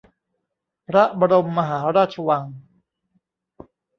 พระบรมมหาราชวัง